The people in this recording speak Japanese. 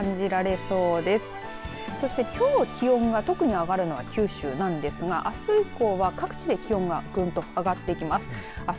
そして、きょう気温が特に上がるのは九州なんですがあす以降は各地で気温がぐんと上がっていきます。